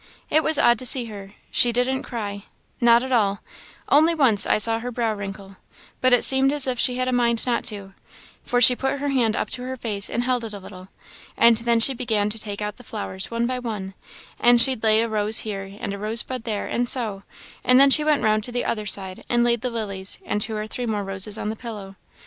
It was odd to see her, she didn't cry not at all only once I saw her brow wrinkle, but it seemed as if she had a mind not to, for she put her hand up to her face and held it a little, and then she began to take out the flowers one by one, and she'd lay a rose here and a rosebud there, and so; and then she went round to the other side and laid the lilies, and two or three more roses on the pillow.